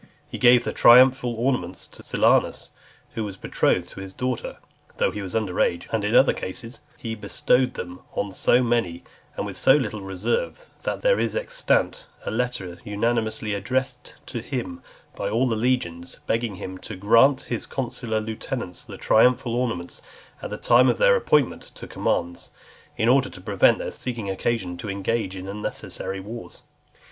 He gave the triumphal ornaments to Silanus, who was betrothed to his daughter, though he was under age; and in other cases, he bestowed them on so many, and with so little reserve, that there is extant a letter unanimously addressed to him by all the legions, begging him "to grant his consular lieutenants the triumphal ornaments at the time of their appointment to commands, in order to prevent their seeking occasion to engage in unnecessary wars."